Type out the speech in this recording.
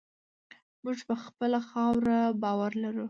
موږ په خپله خاوره باور لرو.